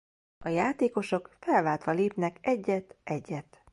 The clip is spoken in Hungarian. A játékosok felváltva lépnek egyet-egyet.